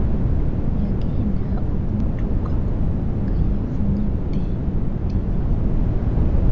Yagenda okumutuukako nga yeefunyidde mu buliri.